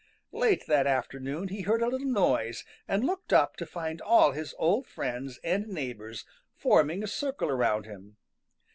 Late that afternoon he heard a little noise and looked up to find all his old friends and neighbors forming a circle around him.